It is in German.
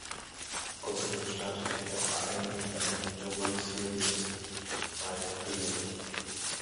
Außerdem startete er bei einigen Rennen der World Series by Renault.